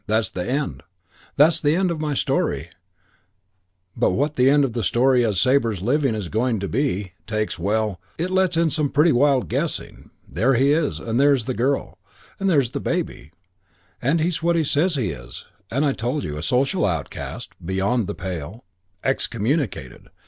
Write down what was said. That's the end. That's the end of my story, but what the end of the story as Sabre's living it is going to be, takes well, it lets in some pretty wide guessing. There he is, and there's the girl, and there's the baby; and he's what he says he is what I told you: a social outcast, beyond the pale, ostracized, excommunicated.